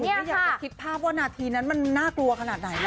ไม่อยากจะคิดภาพว่านาทีนั้นมันน่ากลัวขนาดไหนนะ